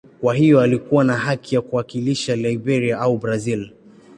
Kwa hiyo alikuwa na haki ya kuwakilisha Liberia au Brazil.